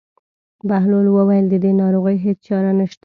بهلول وویل: د دې ناروغۍ هېڅ چاره نشته.